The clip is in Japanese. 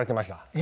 え！？